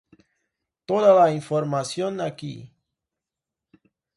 Toda la información aquí